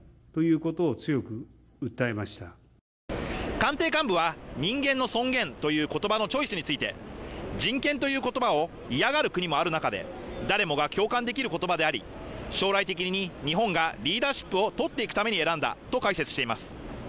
官邸幹部は人間の尊厳という言葉のチョイスについて人権という言葉を嫌がる国もある中で誰もが共感できる言葉であり将来的に日本がリーダーシップをとっていくために選んだと解説しています